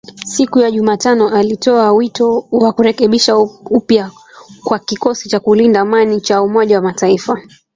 siku ya Jumatano alitoa wito wa kurekebishwa upya kwa kikosi cha kulinda amani cha Umoja wa Mataifa